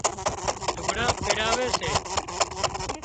لگھڙان پيراوي سي